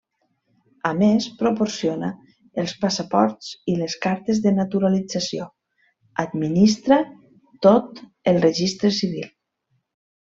A més, proporciona els passaports i les cartes de naturalització; administra tot el Registre Civil.